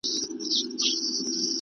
ړنګه بنګه یې لړۍ سوه د خیالونو `